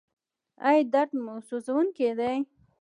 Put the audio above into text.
ایا درد مو سوځونکی دی؟